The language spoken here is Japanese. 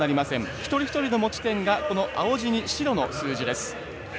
一人一人の持ち点が青字に白の数字です。